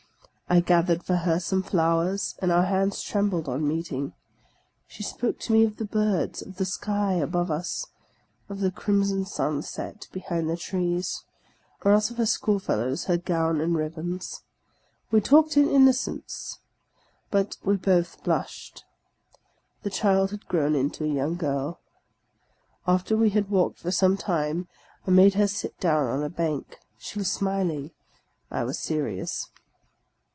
I gathered for her some flowers, and our hands trembled on meeting. She spoke to me of the birds, of the sky above us, of the crimson sun set behind the trees; or else of her school fellows, her gown and ribbons. We talked in innocence, but we both blushed. The child had grown into a young girl. After we had walked for some time, I made her sit down on a bank; she was smiling. I was serious.